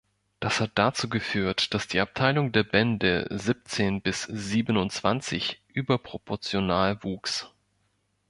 Das hat dazu geführt, dass die Abteilung der Bände siebzehn bis siebenundzwanzig überproportional wuchs.